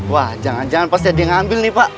wah jangan jangan pasti ada yang ngambil nih pak